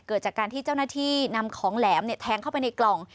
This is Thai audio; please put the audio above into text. เกิดจากการที่เจ้าหน้าที่นำของแหลมแทงเข้าไปในกล่อง